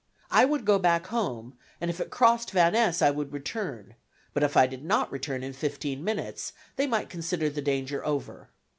I would go back home, and if it crossed Van Ness I would return, but if I did not return in fifteen minutes they might consider the danger over.